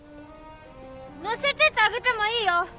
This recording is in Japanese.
乗せてってあげてもいいよ。